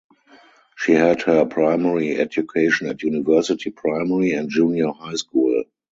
She had her primary education at University Primary and Junior High School.